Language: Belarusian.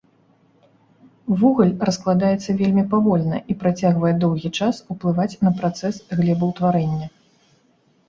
Вугаль раскладаецца вельмі павольна і працягвае доўгі час ўплываць на працэс глебаўтварэння.